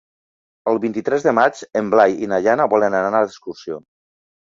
El vint-i-tres de maig en Blai i na Jana volen anar d'excursió.